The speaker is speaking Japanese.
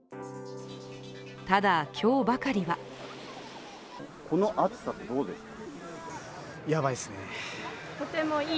ただ、今日ばかりはこの暑さってどうですか？